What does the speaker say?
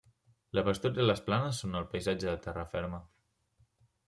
La pastura i les planes són el paisatge de terra ferma.